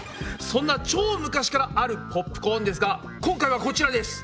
そんな超昔からあるポップコーンですが今回はこちらです。